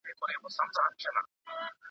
هغه غوښتل چې د خپلې لور هیلې پوره کړي.